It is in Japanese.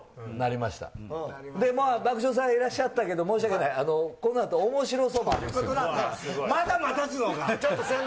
まあ、爆笑さんいらっしゃったけど、申し訳ない、このあと、おもしろ荘があるので。